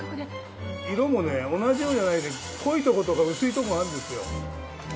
色もね同じ色じゃない濃いとことか薄いとこがあるんですよ。